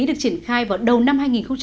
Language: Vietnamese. được triển khai vào đầu năm hai nghìn ba